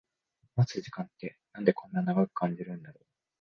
待つ時間ってなんでこんな長く感じるんだろう